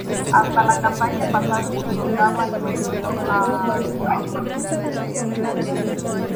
Hasta la campaña pasada se otorgaba el Premio al Relevista del año.